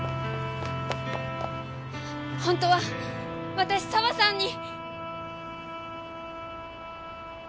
本当は私沢さんに。